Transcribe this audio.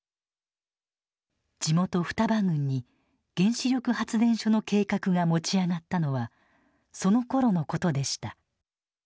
地元双葉郡に原子力発電所の計画が持ち上がったのはそのころのことでした。